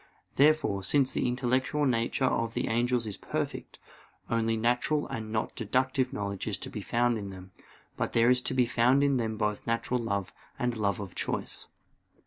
Therefore, since the intellectual nature of the angels is perfect, only natural and not deductive knowledge is to be found in them, but there is to be found in them both natural love and love of choice.